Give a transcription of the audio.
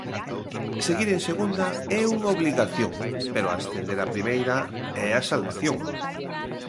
Seguir en Segunda é unha obrigación, pero ascender a Primeira é a salvación.